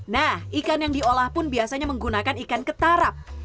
nah ikan yang diolah pun biasanya menggunakan ikan ketarap